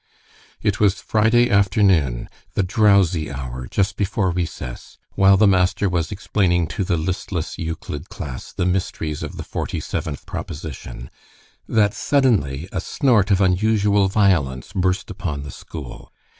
It was Friday afternoon, the drowsy hour just before recess, while the master was explaining to the listless Euclid class the mysteries of the forty seventh proposition, that suddenly a snort of unusual violence burst upon the school.